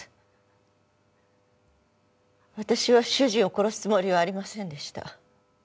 私は主人を殺すつもりはありませんでした。